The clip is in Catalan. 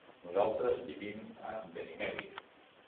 Nosaltres vivim a Benimeli.